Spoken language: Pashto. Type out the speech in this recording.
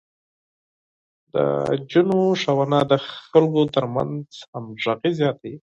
د نجونو ښوونه د خلکو ترمنځ همغږي زياتوي.